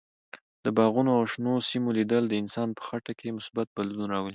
د باغونو او شنو سیمو لیدل د انسان په خټه کې مثبت بدلون راولي.